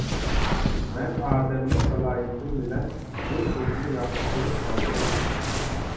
مەن ئادەملىك سالاھىيىتىم بىلەن بىر قىزنى ياخشى كۆرۈپ قالدىم.